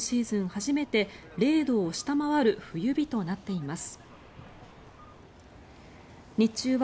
初めて０度を下回る冬日となっています。